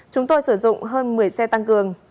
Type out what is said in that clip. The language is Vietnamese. chúng tôi sử dụng hơn một mươi xe tăng cường